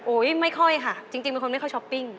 ไม่ค่อยค่ะจริงเป็นคนไม่ค่อยช้อปปิ้ง